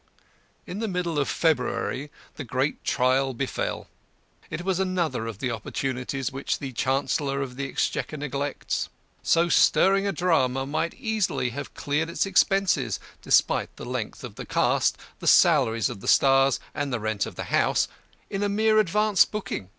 In the middle of February, the great trial befell. It was another of the opportunities which the Chancellor of the Exchequer neglects. So stirring a drama might have easily cleared its expenses despite the length of the cast, the salaries of the stars, and the rent of the house in mere advance booking.